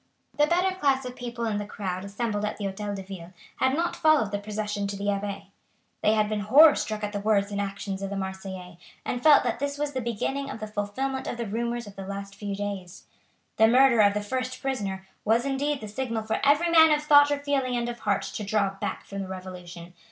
The better class of people in the crowd assembled at the Hotel de Ville had not followed the procession to the Abbaye. They had been horror struck at the words and actions of the Marseillais, and felt that this was the beginning of the fulfilment of the rumours of the last few days. The murder of the first prisoner was indeed the signal for every man of thought or feeling and of heart to draw back from the Revolution.